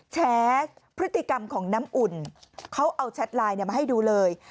แชร์พฤติกรรมของน้ำอุ่นเขาเอาแชทไลน์มาให้ดูเลย